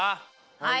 はい。